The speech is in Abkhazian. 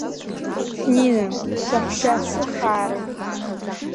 Нина, саҳәшьа сыхаара!